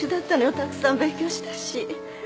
たくさん勉強したし